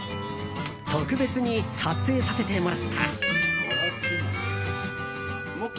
特別に撮影させてもらった。